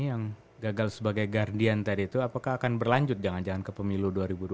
yang gagal sebagai guardian tadi itu apakah akan berlanjut jangan jangan ke pemilu dua ribu dua puluh